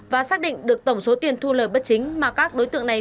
và xác định được tổng số tiền thu lời bất chính mà các đối tượng này